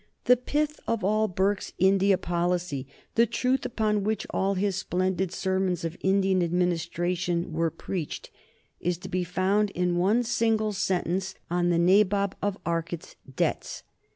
The pith of all Burke's Indian policy, the text upon which all his splendid sermons of Indian administration were preached, is to be found in one single sentence of the famous speech on the Nabob of Arcot's debts.